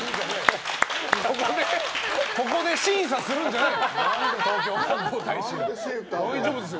ここで審査するんじゃない！